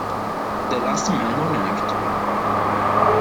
The Last Man on Earth